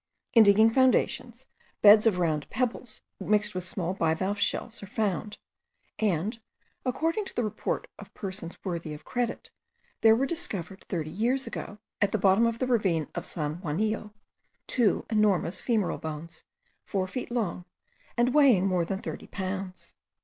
In digging foundations, beds of round pebbles, mixed with small bivalve shells, are found; and according to the report of persons worthy of credit, there were discovered, thirty years ago, at the bottom of the ravine of San Juanillo, two enormous femoral bones, four feet long, and weighing more than thirty pounds.